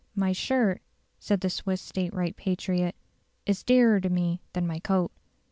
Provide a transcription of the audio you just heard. "My shirt," said the Swiss state right patriot, "is dearer to me than my coat."